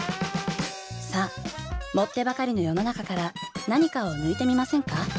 さあ盛ってばかりの世の中から何かを抜いてみませんか？